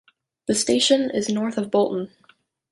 The station is north of Bolton.